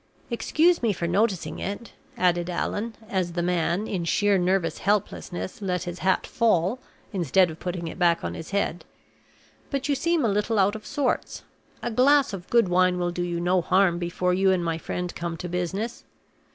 Excuse me for noticing it," added Allan, as the man, in sheer nervous helplessness, let his hat fall, instead of putting it back on his head; "but you seem a little out of sorts; a glass of good wine will do you no harm before you and my friend come to business.